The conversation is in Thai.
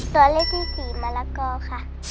ตัวเลขที่สี่มลักกอลค่ะ